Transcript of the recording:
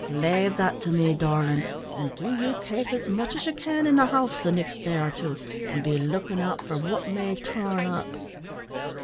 "Lave that to me, darlin', an' do you kape as much as ye can in the house the nixt day or two, an' be lookin' out for what may turn up.